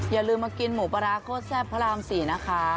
อย่าลืมมากินหมูปลาร้าโคตรแซ่บพระราม๔นะคะ